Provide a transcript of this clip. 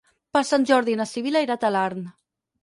Per Sant Jordi na Sibil·la irà a Talarn.